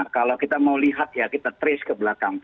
kalau kita mau lihat ya kita trace ke belakang